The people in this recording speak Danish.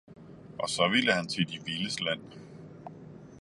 Og så ville han til de vildes land.